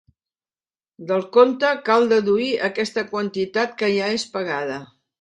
Del compte cal deduir aquesta quantitat, que ja és pagada.